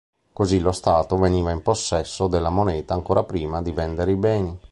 Così lo Stato veniva in possesso della moneta prima ancora di vendere i beni.